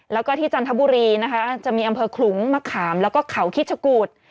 แล้วก็ที่จันทบุรีนะคะจะมีอำเภอขลุงมะขามแล้วก็เขาคิดชะกูด